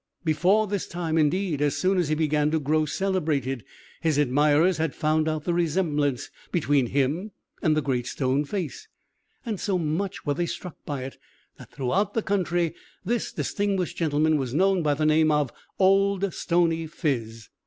Before this time indeed, as soon as he began to grow celebrated his admirers had found out the resemblance between him and the Great Stone Face; and so much were they struck by it, that throughout the country this distinguished gentleman was known by the name of Old Stony Phiz.